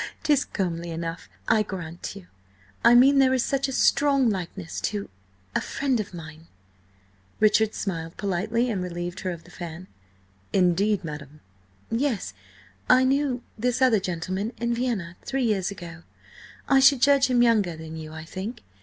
"'Tis comely enough, I grant you! I mean there is such a strong likeness to–a friend of mine." Richard smiled politely and relieved her of the fan. "Indeed, madam?" "Yes. I knew–this other gentleman in Vienna, three years ago. I should judge him younger than you, I think.